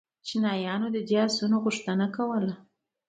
چینایانو د دې آسونو غوښتنه کوله